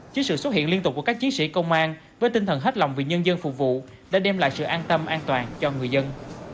chính sự xuất hiện liên tục của các chiến sĩ công an với tinh thần hết lòng vì nhân dân phục vụ đã đem lại sự an tâm an toàn cho người dân